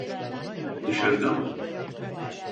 Dışarıda mı?